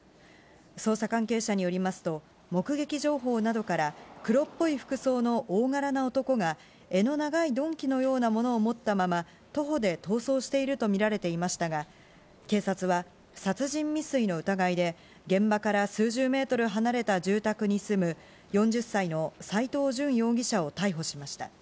捜査関係者によりますと、目撃情報などから、黒っぽい服装の大柄の男が、柄の長い鈍器のようなものを持ったまま、徒歩で逃走していると見られていましたが、警察は殺人未遂の疑いで、現場から数十メートル離れた住宅に住む、４０歳の斎藤淳容疑者を逮捕しました。